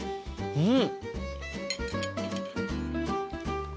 うん？